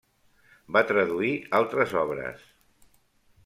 Va traduir altres obres.